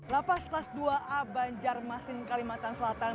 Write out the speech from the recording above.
lapas kelas dua a banjarmasin kalimantan selatan